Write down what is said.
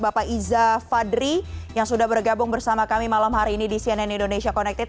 bapak iza fadri yang sudah bergabung bersama kami malam hari ini di cnn indonesia connected